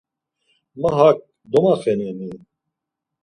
Ma hak domaxeneni?